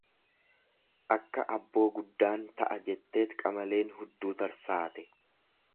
Akka abboo guddaan ta'a jetteet qamaleen hudduu tarsaate.